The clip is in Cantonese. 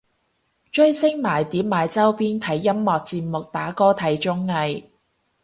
追星買碟買周邊睇音樂節目打歌睇綜藝